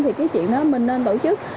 thì cái chuyện đó mình nên tổ chức